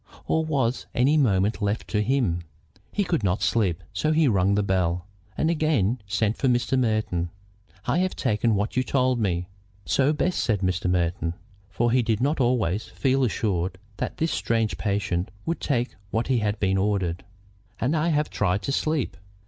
Or was any moment left to him? He could not sleep, so he rung his bell, and again sent for Mr. Merton. "I have taken what you told me." "So best," said Mr. Merton. For he did not always feel assured that this strange patient would take what had been ordered. "And I have tried to sleep."